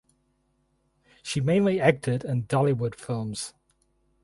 She mainly acted in Dhallywood films.